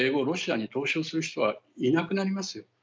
ロシアに投資をする人はいなくなりますよ。